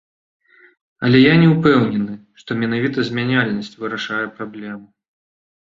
Але я не ўпэўнены, што менавіта змяняльнасць вырашае праблемы.